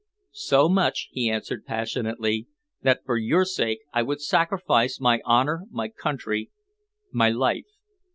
"So much," he answered passionately, "that for your sake I would sacrifice my honour, my country, my life."